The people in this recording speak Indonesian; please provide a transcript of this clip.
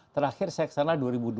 terakhir saya ke sana dua ribu dua belas